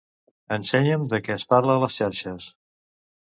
Ensenya'm de què es parla a les xarxes.